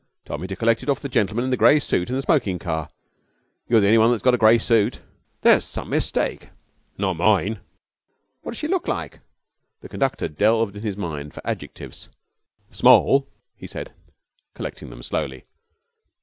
'Told me to collect it off the gentleman in the grey suit in the smoking car. You're the only one that's got a grey suit.' 'There's some mistake.' 'Not mine.' 'What does she look like?' The conductor delved in his mind for adjectives. 'Small,' he said, collecting them slowly.